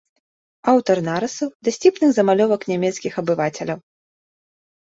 Аўтар нарысаў, дасціпных замалёвак нямецкіх абывацеляў.